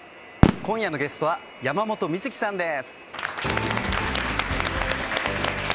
今夜のゲストは山本美月さんです。